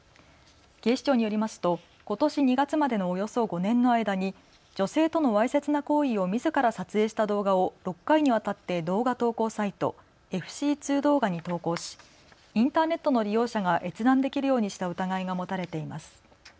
警視庁によりますとことし２月までのおよそ５年の間に女性とのわいせつな行為をみずから撮影した動画を６回にわたって動画投稿サイト、ＦＣ２動画に投稿しインターネットの利用者が閲覧できるようにした疑いが持たれています。